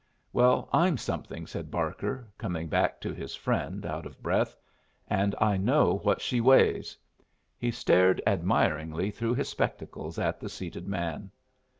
"Well, I'm something," said Barker, coming back to his friend, out of breath. "And I know what she weighs." He stared admiringly through his spectacles at the seated man.